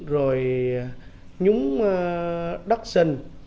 rồi nhúng đất xình